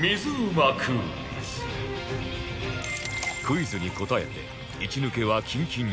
クイズに答えて一抜けはキンキンジョッキ